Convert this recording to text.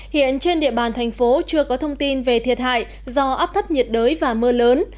hiện trên địa bàn thành phố chưa có thông tin về thiệt hại do áp thấp nhiệt đới và mưa lớn